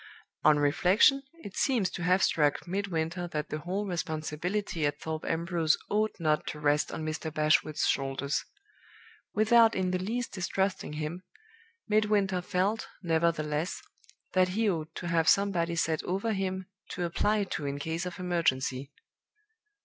"On reflection, it seems to have struck Midwinter that the whole responsibility at Thorpe Ambrose ought not to rest on Mr. Bashwood's shoulders. Without in the least distrusting him, Midwinter felt, nevertheless, that he ought to have somebody set over him, to apply to in case of emergency.